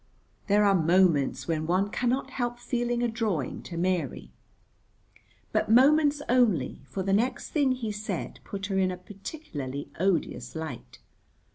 There are moments when one cannot help feeling a drawing to Mary. But moments only, for the next thing he said put her in a particularly odious light.